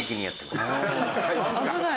危ない。